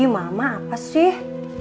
mama apa sih